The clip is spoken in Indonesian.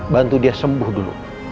bantu dia sembuh dulu